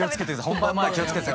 本番前は気を付けて。